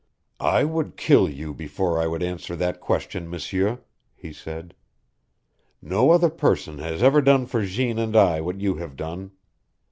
"I would kill you before I would answer that question, M'sieur," he said. "No other person has ever done for Jeanne and I what you have done.